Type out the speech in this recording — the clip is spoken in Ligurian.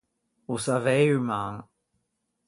O savei uman.